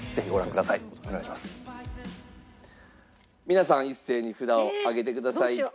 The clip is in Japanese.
皆さん一斉に札を上げてください。